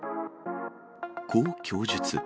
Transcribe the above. こう供述。